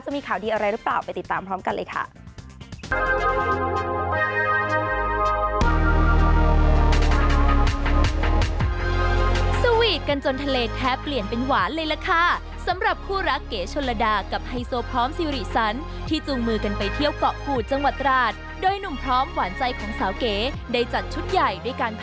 มีข่าวดีอะไรหรือเปล่าไปติดตามพร้อมกันเลยค่ะ